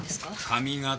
髪形。